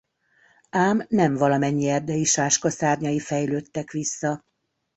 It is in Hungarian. Ám nem valamennyi erdei sáska szárnyai fejlődtek vissza.